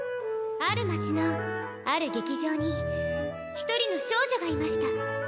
ある街のある劇場に一人の少女がいました。